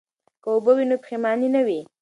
که اوبه وي نو پښیماني نه وي.